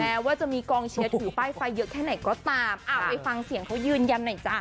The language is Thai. แม้ว่าจะมีกองเชียร์ถือป้ายไฟเยอะแค่ไหนก็ตามไปฟังเสียงเขายืนยันหน่อยจ้ะ